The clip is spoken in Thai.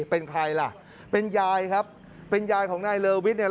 เป็นใครล่ะเป็นยายครับเป็นยายของนายเลอวิทย์เนี่ย